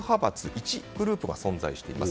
１グループが存在しています。